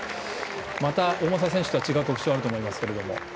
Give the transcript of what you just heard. また、大政選手とは違う特徴があると思いますけども。